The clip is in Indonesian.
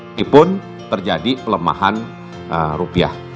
meskipun terjadi pelemahan rupiah